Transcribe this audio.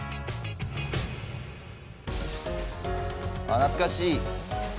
「懐かしい！」